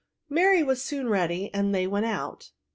Mary was soon ready, and they went out.